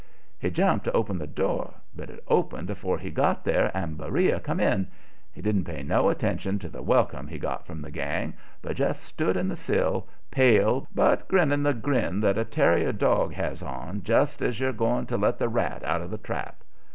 He jumped to open the door, but it opened afore he got there and Beriah come in. He didn't pay no attention to the welcome he got from the gang, but just stood on the sill, pale, but grinning the grin that a terrier dog has on just as you're going to let the rat out of the trap.